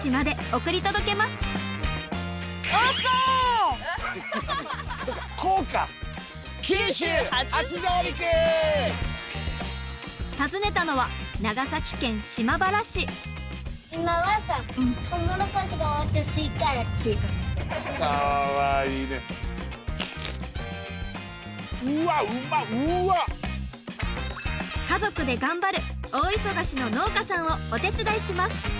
家族で頑張る大忙しの農家さんをお手伝いします！